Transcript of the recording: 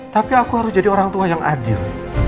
tapi aku harus jadi orang tua yang adil